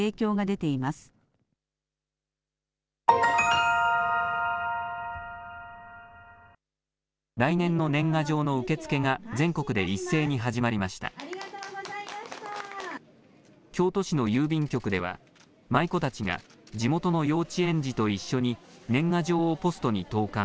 京都市の郵便局では舞妓たちが地元の幼稚園児と一緒に年賀状をポストに投かん。